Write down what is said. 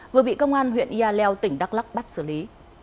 vừa bị công an huyện yà leo tỉnh đắk lắc bắt xử lý